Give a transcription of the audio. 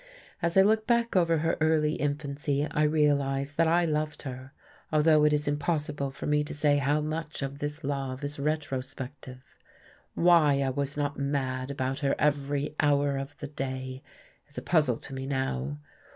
As I look back over her early infancy, I realize that I loved her, although it is impossible for me to say how much of this love is retrospective. Why I was not mad about her every hour of the day is a puzzle to me now.